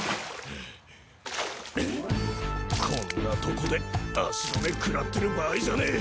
こんなとこで足止め食らってる場合じゃねえ！